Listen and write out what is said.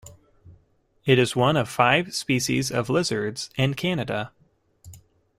It is one of five species of lizards in Canada.